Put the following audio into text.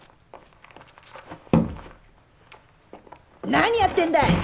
何やってんだい！